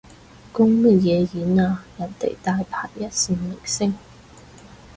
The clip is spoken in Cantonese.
公乜嘢演啊，人哋大牌一線明星